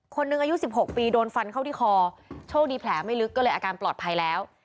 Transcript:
คนหนึ่งอายุ๑๖ปีโดนฟันเข้าที่คอโชคดีแผลไม่ลึกก็เลยอาการปลอดภัยแล้ว